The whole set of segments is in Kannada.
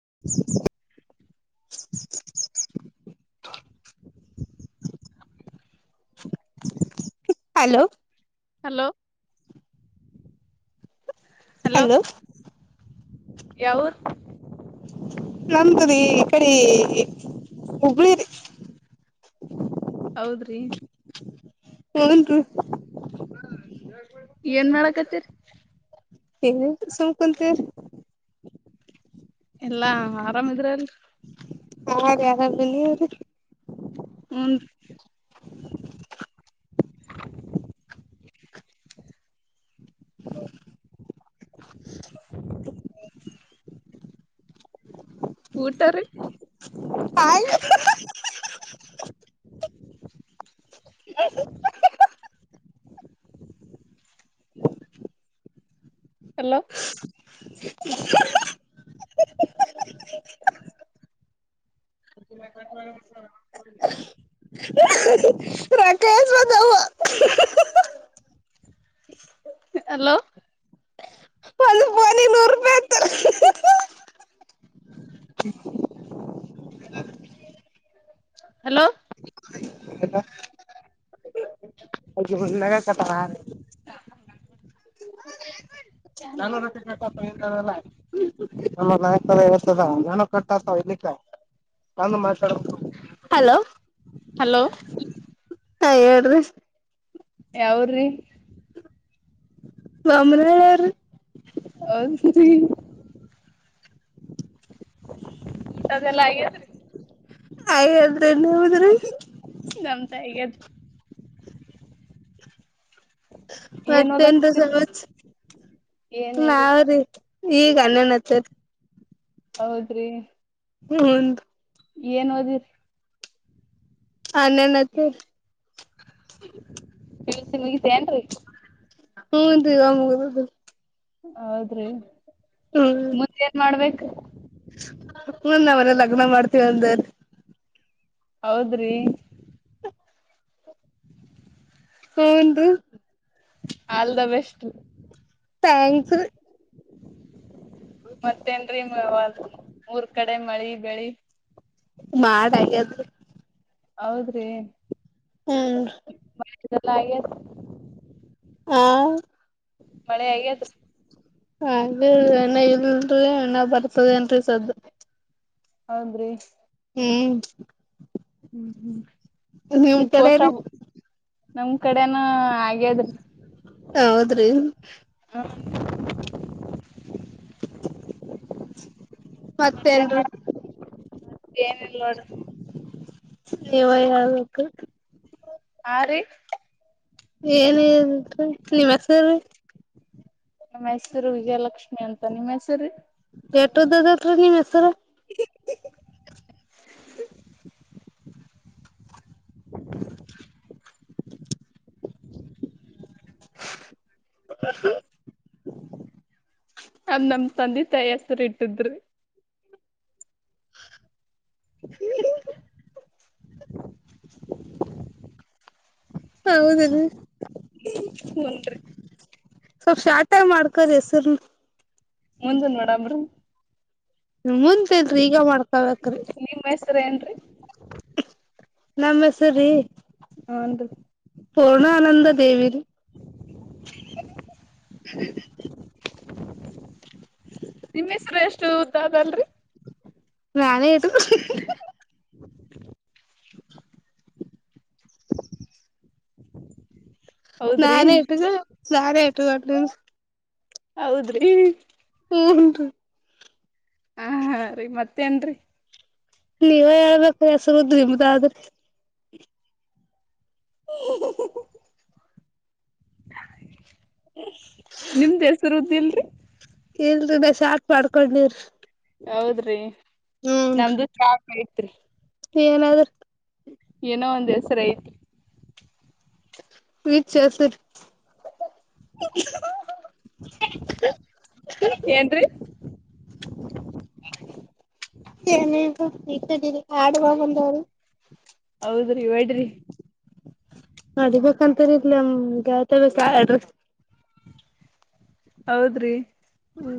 [inaudible] [inaudible] ಹಲೋ ಹಲೋ ಹಲೋ ಯಾವೂರು ನಮ್ದುರಿೀ ಈ ಕಡೆ ಹುಬ್ಬಳಿ ರೀ ಹೌದ್ರಿ [unintelligible] ಏನ್ ಮಾಡಕತ್ತರಿ. ಏನ್ ಸುಂಕುಂತಿವ್ರೀ ಎಲ್ಲಾ ಆರಾಮಿದ್ರ ಇಲ್ರೀ ಹಾ ರೀ ಆರಾಮ ನೀವ್ ರೀ ಹೂನ್ರೀ [inaudible] [inaudible] [inaudible] ಊಟ ರೀ [unintelligible] [inaudible] ಹಲೋ [unintelligible] ಎಷ್ಟ್ ಬಂದಾವ [inaudible] ಅಲೋ ಒಂದ್ ಫೋನಿಗ್ ನೂರ್ ರೂಪಾಯಿ ಅಂತಾರ [inaudible] ಹಲೋ [unintelligible] [inaudible] [unintelligible] [unintelligible] ಹಲೋ ಹಲೋ ಹಾ ಹೇಳ್ರಿ ಯಾವೂರ್ರೀ [unintelligible] ಹೌದ್ರೀ ಊಟ ಅದೆಲ್ಲ ಆಗೇದ್ರಿ ಆಗೇದ್ರಿ ನಿಮ್ದ್ರಿ ನಮ್ದು ಆಗೇದ ಏನ್ ಮತ್ತೇನ್ರೀ ಓದಕತ್ತರಿ ಸಮಾಚಾ ಏನ್ ಇಲ್ರಿ ನಾವ್ರಿ ಈಗ ಅನ್ನನ್ [unintelligible] ಹೌದ್ರಿ ಹೂನ್ರೀ ಏನ್ ಓದಿರಿ ಹನ್ನೆರಡನೇಯತ್ತ ರೀ ಪಿ ಯು ಸಿ ಮುಗಿತೇನ್ರಿ ಹೂನ್ರಿ ವಾ ಮುಗದದ ಹೌದ್ರಿ ಮುಂದೇನ್ ಮಾಡ್ಬೇಕ. ಹ್ಮ್ ನಾವೆಲ್ಲ ಲಗ್ನ ಮಾಡ್ತೀವ ಅಂದಾರೀ ಹೌದ್ರಿ ಹೂನ್ರೀ ಆಲ್ ದ ಬೆಸ್ಟ್ ರೀ ಥ್ಯಾಂಕ್ಸ್ ರೀ ಮತ್ತೇನ್ರಿ ಮೂ ಊರ್ ಕಡೆ ಮಳಿ ಬೆಳಿ. ಮಾಡಾ ಆಗ್ಯದ್ರೀ ಹೌದ್ರಿ ಹೂನ್ರೀ ಎಲ್ಲ ಆಗ್ಯದ್ ಆ ಮಳಿ ಆಗ್ಯದ್ರೀ ಇನ್ನ ಇಲ್ರಿ ಇನ್ನ ಬರ್ತದೇನ್ರೀ ಸದ್ದ. ಹೌದ್ರೀ ಹ್ಮ್ ಹ್ಮ್ ಹ್ಮ್ ನಿಮ್ ಕಡೆಯಿರಿ ನಮ್ ಕಡೆನ ಹಾಗಗೇದ್ರಿ ಹೌದ್ರಿ ಹ್ಮ್ ಮತ್ತೇನ್ರು ಮತ್ತೆ ಏನಲ್ ನೋಡ್ರ ನಿವಾ ಹೇಳ್ಬೇಕು ಆ ರೀ ಏನ್ರಿ ನಿಮ್ಮ್ ಹೆಸರು ನಮ್ಮ ಹೆಸರು ವಿಜಯಲಕ್ಷ್ಮಿ ಅಂತ ನಿಮ್ಮ್ ಹೆಸರು ರೇಟದದ ರೀ ನೀ ಮ ಹೆಸರ [unintelligible] ಹ [unintelligible] ಹ [unintelligible] ಆ್ ನಮ್ ತಂದೆ ತಾಯಿ ಹೆಸರು ಇಟ್ಟಿದ್ರಿ [unintelligible] ಹೌದ ರೀ ಹುನ್ರಿ ಸ್ವಲ್ಪ ಶಾರ್ಟೈ್ ಮಾಡ್ಕೋದು ಹೆಸರು ಮುಂದನ್ ಮೇಡ್ರ ನಿಮ ಮುಂದೇಲ್ರಿ ಈಗ ಮಾಡ್ಕೊಬೇಕ್ರಿ ನಿಮ್ ಹೆಸರ ಏನ್ರಿ ನಮ್ಮ ಹೆಸರಿ ಹಾಂಡ್ರಿ ಪೂರ್ಣ ಆನಂದ ದೇವಿ [unintelligible] ನಿಮ್ಮ ಹೆಸರು ಎಷ್ಟು ಹ ಅದಲ್ರರಿ ನಾನ ಇ [unintelligible] [unintelligible] ಹೌದ್ರಿ ನಾನೇ ಟ್ಟ ನಾನೇ ಟ್ಟು [unintelligible] ಹೌದ್ರಿ ಹ [unintelligible] ಹ ರೀ ಮತ್ತೇ ನ್ರಿ ನೀವೇ ಹೇಳ್ಬೇಕು ಹೆಸರುದ್ರ ನಿಮ್ದಾದ್ರೆ ಹ ನಿಮ್ದ ಹೆಸರುದ ಇಲ್ರಿ ಇಲ್ರರಿ ಬಸ ಆಟ್ ಮಾಡ್ಕೊಂಡ ನೀಿ್ರ ಹೌದ್ರಿ ನಮ್ದು ಶಾರ್ಟ್ ಐತ್ರಿ ಏನಾದ್ರ [unintelligible] ಸರಿೇ [unintelligible] ವಿಚ ಸ [unintelligible] [unintelligible] ಏನ್ ರೀ ನ ಹಡುುವಂದಾರ [unintelligible] ಹೌದ್ರಿ ವಡ್ರಿ ಅದಬೇಕಂತರಿದ್ ನಮ್ ಗಗೆಳ್ತ ಬ [unintelligible] ಹೌದ್ರಿ ಹ್ಮ್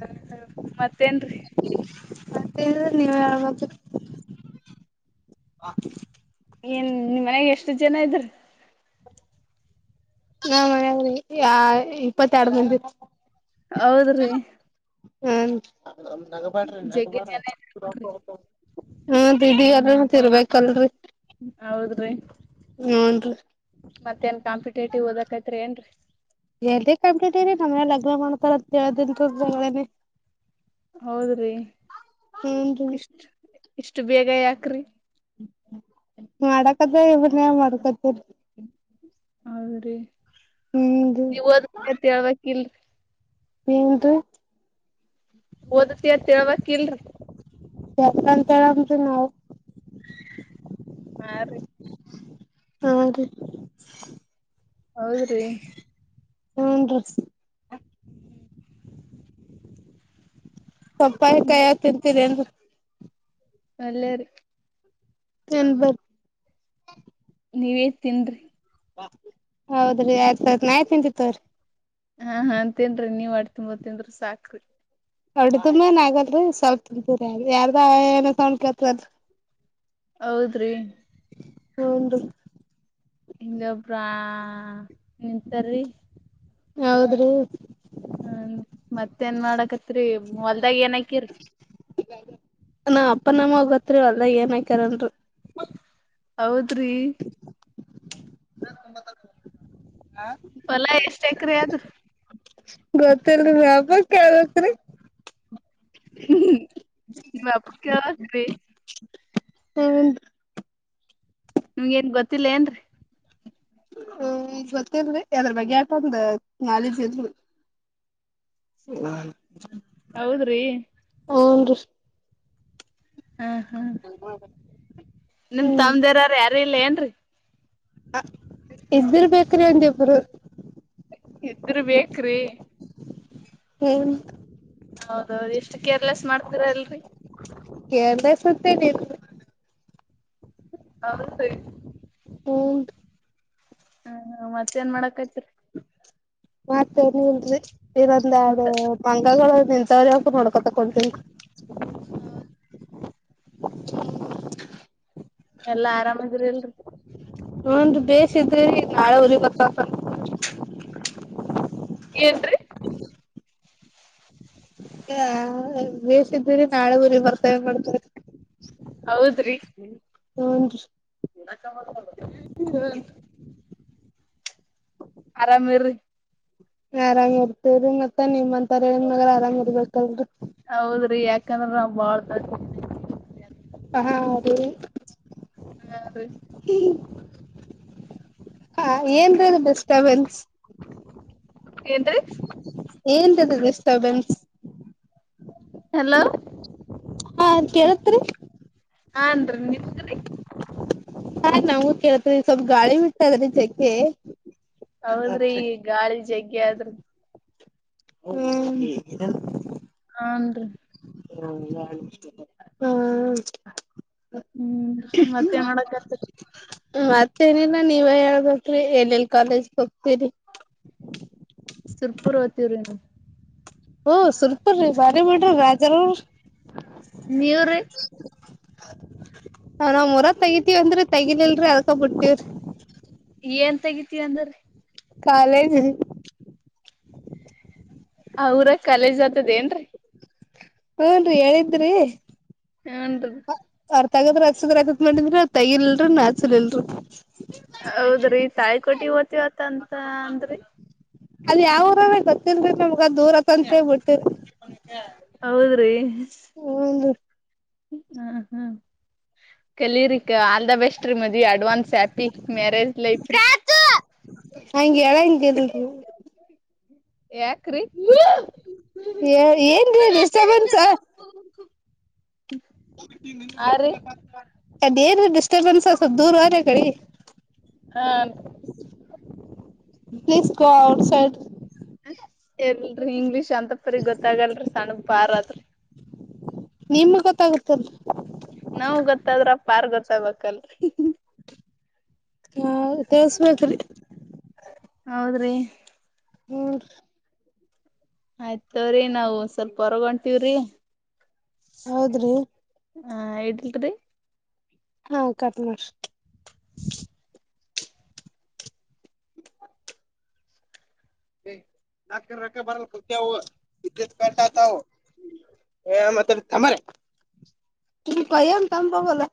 ಹ ಮತ್ತೇನ್ರಿ ಮತ್ತೆ ನೀವೇ ಹೇಳ್ಬೇಕು ಏನ್ ನಿ ಮನೆಗೆ ಎಷ್ಟು ಜನ ಇದ್ರ ನಾ ಮನ ಇಪ್ಪತ್ತ ಎರಡು ಮಂದಿ ಹೌದ್ರಿ ಹ ಜಗ್ಗೆ ಜನ ಇದ್ರಿ ನೋಡ್ರಿ ಹ ದಿ ತಿರ್ಬೇಕಲ್ರರಿ ಹೌದ್ರೀ ಹೂನ್ರಿ ಮತ್ತೇಏನ್ ಕಾಂಪಿಟೇಟಿವ್ಓದಕೈತ್ರಿ ಏನ್ರೀ ಎಲ್ದ ಕಂಪ್ಲೀಟ್ ರಿ ನಮ್ನೆ ಲಗ್ನ ಮಾಡ್ತಾರ ಅಂತೇಳ್ದನ್ ಬೇನನೆ ಹೌದ್ರಿ ಹೂನ್ರಿ ಇಷ್ಟ ಇಷ್ಟು ಬೇಗ ಯಾಕ್ರಿ ಮಾಡಕದ ಇವನ್ಯ ಮಾಡಕತ್ತ ಹೌದ್ರೀ ನೀವುದ ಹೇಳ್ಬೇಕಕ್ ಇಲ್ರಿ ನಿಮ್ದು ಓದತ ಅ ತಿೇಳ್ಬೇಕಕ್ ಇಲ್ರಿ ಸ ನವು ಹಾ ರೀ. ಆ ಹೌದ್ರಿ ಹನ್ ರ ಸ್ವಪ್ಪ ಕಾಯಿಗ ತಿಂತೀರಿ ಅಂದ ಅಳ್ಳೇ ರೀ ಚ ಬ ನೀವೇ ತಿನ್್ರಿ ಹೌದ್ರಿ ಆಯ್ತು ಆಯ್ತ್ ನಾಯ್ತ್ ನಿಂತಿತ್ವ್ರೀ ಹಾ ಹಾ ತಿನರಿ ನೀವ್ ಆಡ್ ತಿಂಬ ತಿನ್್ರಿ ಸಾಕ್ರಿ ಹೊಡ್ದುಮನ್ ಆಗಲ್ರಿೀ ಸ್ವಲ್ಪ ತುಂಬರಿ ಯಾರದ ಏನ ತೊಂಡ್ ಕತಲ್ರಿ ಹೌದ್ರಿ ಹದು ಇದು ಪ್ರ ನೀಂತರಿ ಹೌದ್ರೀ ಹ್ಮ ಮತ್ತ ಎನ್ ಮಾಡಕತ್ರಿ ಹೊಲ್ದಾಗ ಏನಕಿರಿ ನಾ ಅಪ್ಪನಮ್ಮಗತ್ರಿ ಅಲ್ದಾಗ ಏನ್ಕಾರನ್ರಿ ಹೌದ್ರಿ ಕ ತುಂಬ ತ ಹಾ ಚಕರೆ ಯದು ಗೊತ್ತಲ್ ಹಬ ಕೇಳ್ಬೇಕ್ರೀ ಹ್ಮ್ ನೀ ಹಬಕ್ಕೆಾವತ್ರಿ ಹ್ಮ ನಿಮ ಏನ್ ಗೊತ್ತಿಲ್ಲ ಏನ್ರಿ ಹ ಗೊತ್ತೇಲ್ರಿ ಅದ್ರ ಬಗ್ಗೆ ಆಟೊಂದ ನಾಲಜು ಇಲ್ಲ ರೀ ಹ್ಮ ಹೌದ್ರಿ ಹು ನ್ ರೀ ಹಾ ಹ್ಮ ನಿಮ ಹ್ಮ್ ತಮ್ದಾರಾರ ಯಾರ ಇಲ್ಲ ಏನ್ರಿೀ ಇದ್ದಿರ್ಬೇಕ್ರಿ ಒಂದಿಬ್ರು ಇದ್ರ ಬೇಕ್ರಿ ಹ್ಮ್ ಹೌದೌದು ಎಷ್ಟು ಕೇರ್ಲೆಸ್ ಮಾಡ್ತೀರ ಅಲ್ರಿ ಸುತ್ತನೆ ಹಾ ಸರಿ ಹ್ಮ್ ಹ ಮತ್ತ ಏನ್ ಮಾಡಕ್ಯತಿರಿ ಮತೇ ನೀ ಇಲ್ರಿ ಇನ್ನೊಂದ ಎರಡು ಊಟ ಬಂಗ ಲೂ ನೀ ಸರಿ ಯಕ ನೋಡ್ಕೊತಕ್ಕತೀಿ ಎಲ್ಲಾ ಆರಾಮದ್ರ ಇಲ್ರಿ ಹನ್ ಬೇಸ್ ಇದ್ರಿ ನಾಳೆ ಉರಿ ಗೊತ್ತ ಏನ್ೀ ಹ ಬೇಸ್ಿದ್ದೀರಿ ನಾಳೆ ಊರಿ ಬರ್ತ ಏನ್ ಮಾಡ್ತಾರೆ ಹೌದ್ರಿ ಹೂನ್ರಿ ಹ ಆರಾಮರೀ ಆರಾಮ್ ಇರ್ತೇವ್ರರಿ ಮತ್ತ ನಿಮ್ ಅಂತಾರ ಹೇಳ ಮಗ ಆರಾಮ್ ಇರ್ಬೇಕಲ್ರರಿ ಹೌದ್ರಿ ಯಾಕಂದ್ರ ನಾ ಬಾಳ್ ಹ ರ ಹಾ [unintelligible] ಸೆವೆಂತ್ಸ್ ಏನ್ರೀ ಡಿಸಟರ್ಬನ್ಸ್ ಹಲೋ ಹಾ ಕೇಳತ್ರಿ ಹಾನ್ರಿ ನಿಮಗ ಸ ನಮೂ ಕೇಳತ್ರಿ ಈ ಸ್ವಲ್ಪ ಗಾಳಿ ಬಿಡ್ತದ ರೀ ಚೆಕ್ಕೆ ಹೌದ್ರಿ ಈ ಗಾಳಿ ಜಗ್ಗೆ ಆದ್ರ ಹ್ಮ ಆಂದು ಹ ಹ್ಮ್ ಹ್ಮ ಮತ್ತೇನ್ ಮಾಡಕತ್ರಿ ಮತ್ತ ನಿಲ್ಲ ನೀವ ಹೇಳ್ಬೇಕ್ರಿ ಎಲ್ ಎಲ್ ಕಾಲೇಜ್ ಹೋಗ್ತೀರಿ ಸುರ್ಪುರ್ ಓ್ತವ್ರಿನು ಹಓ ಸ್ವಲ್ಪ್ರೀ ಬಾರಿ ಮಾಡ್ರಿ ರಾಜಾರ ನೀವ್ರಿ [unintelligible] ನಾ ನಾವ್ ಮರ ತಗತಿೀವ ಅಂದ್ರ ತೆಗಿಲಿಲ್ರಿ ಅರ್ಕೊ ಬಿಡ್ತೀವ್ರೀ ಏನ್ ತಗಿತಿಯ ಅಂದ್ರರೀ ಕಾಲನು ಆಊರ ಕಾಲೇಜ್ ಆತದ ಏನ್ರಿೀ ಹೂ ರಿ ಹೇಳಿದ್ರು ರೀ ಹಾನ್ ಅರ್ಥ ಆಗದ ಅಸದತತ್ ಮಾಡಿದ್ರ ತೈಿಲ್ ಇಲ್ರರಿ ನಾಚಲ್ಲ್ರರಿ ಹೌದ್ರಿ ತಾಯಿ ಕೊೋಟಿ ಓತಿವತ್ತಂತ ಅಂದ್ರಿ ಅಲ್ಲಿ ಯಾವ ಊರ ಗೊತ್ತಿಬೇಕ ದೂರತ್ಂತೇ ಬಿಟ್ಟು ಹೌದ್ರಿ ಹ ಹ್ಮ್ ಹ್ಮ್ ಕಲರಿ ಆಲ್ ದ ಬೆಸ್ಟ್ ರೀ ಮದ ಅಡ್ವಾನ್ಸ್ ಹ್ಯಾಪಿ ಮ್ಯರೇಜ್ ಲೈಫ ಹ ಹಂಗೆ ಹೇಳಂಗಿಲ್ರೀ [unintelligible] ಯಾಕ್ರೀ ಏನ್ರೀ ಡಿಸ್ಟರ್ಬೆನ್ಸ್ ಆ ರೀ ಡಿಸರ್ಬನ್ ಸ ದೂರವಾರ ಕಡಿ ಹ ಪ್ಲೀಸ್ ಗೋ ಆಔಟ್ಸೈಡ್ ಎಲ್ರರಿ ಇಂಗ್ಲೀಷ್ ಅಂತಪರಿ ಗೊತ್ತಾಗಲ್ರರಿ ಸಣ್ಣ ಬಾರತ್ರಿ ನಿಮ ಗೊತ್ತಾಗುತ್ತಲ್ ನಾವ ಗೊತ್ತಾದ್ರ ಪಾರ್ ಗೊತ್ತಾಗ್ಬೇಕಲ್ ಹಾ ತಿಳ್ಸ್ಬೇಕೇ್ರಿ ಹೌದ್ರೀ ಹ್ಮ ಆಯ್ತವ್ರಿ ನಾವು ಸ್ವಲ್ಪ ಹೊರಗಂತೀವ್ರಿ ಹೌದ್ರಿ ಹಾ ಹೇಳಡ್ಲ್ದ ಹಾ [unintelligible] [inaudible] ನಾಲ್ಕ ರೊಕ್ಕ ಬರಲ್ಲ ಕತವು ತ [unintelligible] ಕಂತ ಬಬಲ್ಲ